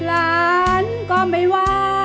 หลานก็ไม่ว่า